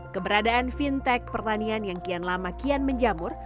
keberadaan fintech pertanian yang kian lama kian menjamur